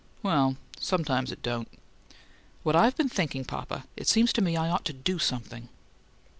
"Well sometimes it don't." "What I've been thinking, papa: it seems to me I ought to DO something."